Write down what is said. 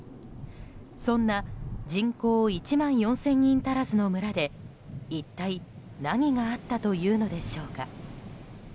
そんな人口１万４０００人足らずの村で一体何があったというのでしょうか。